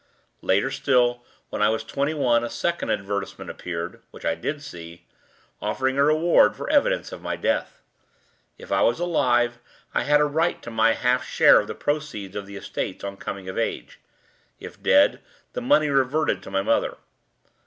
Later still, when I was twenty one, a second advertisement appeared (which I did see) offering a reward for evidence of my death. If I was alive, I had a right to my half share of the proceeds of the estates on coming of age; if dead, the money reverted to my mother.